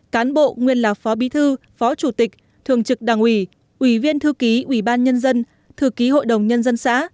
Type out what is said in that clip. cán bộ nguyên là phó bí thư phó chủ tịch thường trực đảng ủy ủy viên thư ký ủy ban nhân dân thư ký hội đồng nhân dân xã